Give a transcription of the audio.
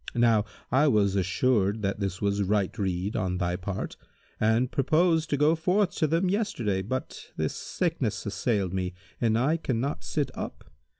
Now I was assured that this was right rede on thy part, and purposed to go forth to them yesterday; but this sickness assailed me and I cannot sit up.